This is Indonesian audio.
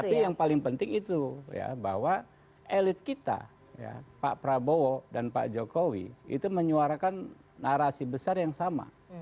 tapi yang paling penting itu ya bahwa elit kita pak prabowo dan pak jokowi itu menyuarakan narasi besar yang sama